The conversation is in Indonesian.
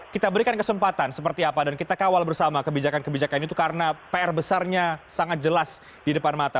kita berikan kesempatan seperti apa dan kita kawal bersama kebijakan kebijakan itu karena pr besarnya sangat jelas di depan mata